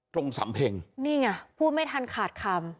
สำเพ็งนี่ไงพูดไม่ทันขาดคำ